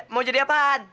mau jadi apaan